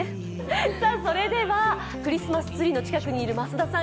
それではクリスマスツリーの近くにいる増田さん